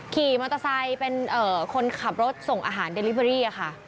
ขี่มอเตอร์ไซค์เป็นคนขับรถส่งอาหารเดลิเบอรี่ค่ะ